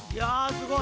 すごい。